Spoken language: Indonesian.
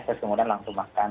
terus kemudian langsung makan